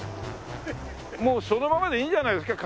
もうそのままでいいんじゃないですか？